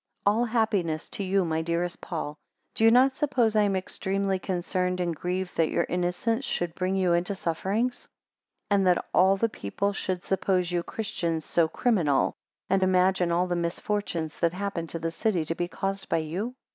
ALL happiness to you, my dearest Paul. Do you not suppose I am extremely concerned and grieved that your innocence should bring you into sufferings? 2 And that all the people should suppose you (Christians) so criminal, and imagine all the misfortunes that happen to the city, to be caused by you?